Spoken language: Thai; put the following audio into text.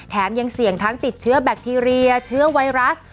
ยังเสี่ยงทั้งติดเชื้อแบคทีเรียเชื้อไวรัส